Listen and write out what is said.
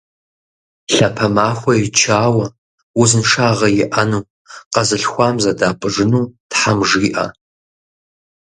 Лъапэ махуэ ичауэ, узыншагъэ иӀэну, къэзылъхуам зэдапӀыжыну Тхьэм жиӀэ!